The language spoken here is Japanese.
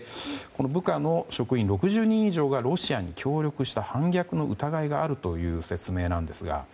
部下の職員６０人以上がロシアに協力した反逆の疑いがあるという説明なんですが。